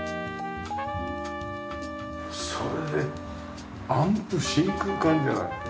それでアンプ真空管じゃない。